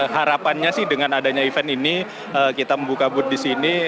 harapannya sih dengan adanya event ini kita membuka booth di sini